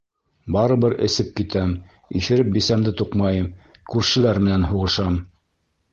Барыбер эсеп китәм, иҫереп бисәмде туҡмайым, күршеләр менән һуғышам.